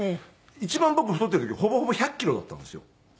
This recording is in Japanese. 一番僕太ってる時ほぼほぼ１００キロだったんですよ。